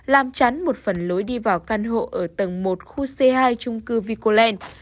làm chắn một phần lối đi vào căn hộ ở tầng một khu c hai trung cư vicoland